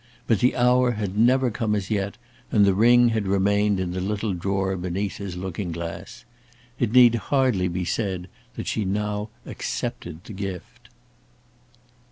But the hour had never come as yet, and the ring had remained in the little drawer beneath his looking glass. It need hardly be said that she now accepted the gift.